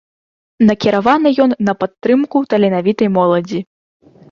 Накіраваны ён на падтрымку таленавітай моладзі.